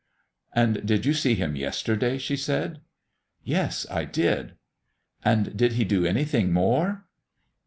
"And did you see Him yesterday?" she said. "Yes, I did." "And did He do anything more?"